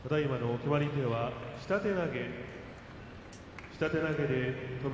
決まり手は下手投げ。